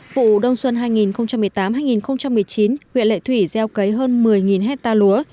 vụ đông xuân hai nghìn một mươi tám hai nghìn một mươi chín huyện lệ thủy gieo cấy hơn một mươi hectare lúa